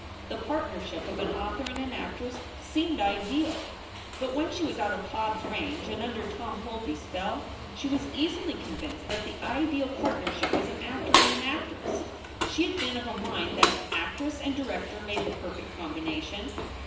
The partnership of an author and an actress seemed ideal. SOULS FOR SALE 369 But when she was out of Hobbes s range and under Tom Holby s spell, she was easily convinced that the ideal part nership was an actor and an actress. She had been of a mind that actress and director made the perfect combina tion.